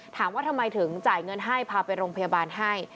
ถามว่าทำไมถึงจ่ายเงินให้พาไปโรงพยาบาลให้